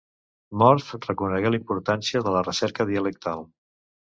Morf reconegué la importància de la recerca dialectal.